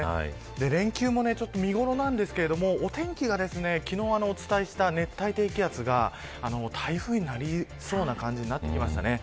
連休も見頃なんですが、お天気が昨日、お伝えした熱帯低気圧が台風になりそうな感じになってきました。